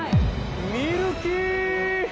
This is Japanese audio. ミルキー！